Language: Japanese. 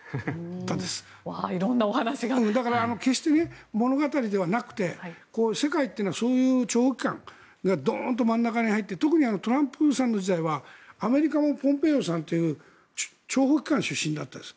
決して物語ではなくて世界というのはそういう諜報機関がドンと真ん中に入ってトランプさんの時代はアメリカもポンペオさんという諜報機関出身だったんです。